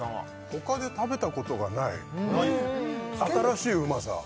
他で食べたことがない新しいうまさ